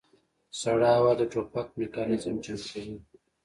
سړه هوا د ټوپک میکانیزم جام کوي